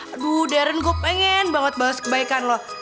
aduh darren gue pengen banget balas kebaikan lo